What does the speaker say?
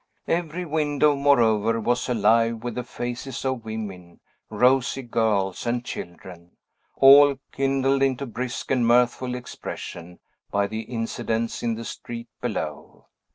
Every window, moreover, was alive with the faces of women, rosy girls, and children, all kindled into brisk and mirthful expression, by the incidents in the street below.